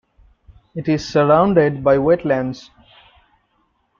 It is surrounded by wetlands.